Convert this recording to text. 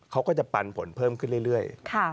เขาก็จะปันผลเพิ่มขึ้นเรื่อย